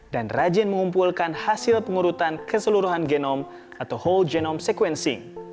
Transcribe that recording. dan rajin mengumpulkan hasil pengurutan keseluruhan genom atau whole genome sequencing